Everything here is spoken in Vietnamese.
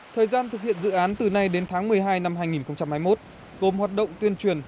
thời gian thực hiện dự án từ nay đến tháng một mươi hai năm hai nghìn hai mươi một gồm hoạt động tuyên truyền